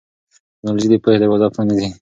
ټیکنالوژي د پوهې دروازې پرانیزي.